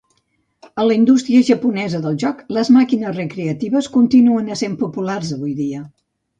En la indústria japonesa del joc, les màquines recreatives continuen essent populars avui dia.